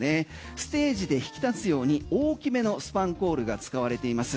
ステージで引き立つように大きめのスパンコールが使われています。